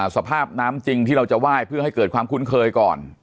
สภาพน้ำจริงที่เราจะไหว้เพื่อให้เกิดความคุ้นเคยก่อน